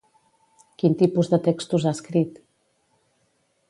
Quin tipus de textos ha escrit?